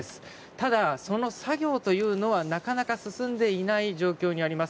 ただ、その作業というのはなかなか進んでいない状況にあります。